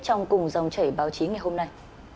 trong cùng dòng chảy báo chí ngày hôm nay